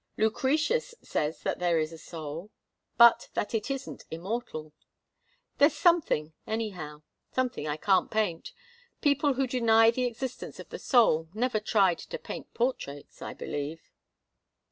"Lucretius says that there is a soul, but that it isn't immortal. There's something, anyhow something I can't paint. People who deny the existence of the soul never tried to paint portraits, I believe."